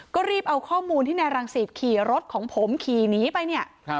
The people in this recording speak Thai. ก็รีบเอาข้อมูลที่นายรังสิตขี่รถของผมขี่หนีไปเนี่ย